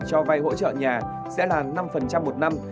các ngân hàng cho vay hỗ trợ nhà sẽ là năm một năm